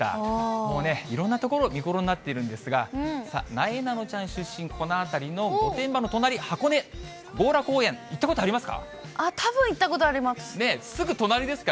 もうね、いろんな所、見頃になっているんですが、さあ、なえなのちゃん出身、この辺りの御殿場の隣、箱根、強羅公園、行ったことありますか？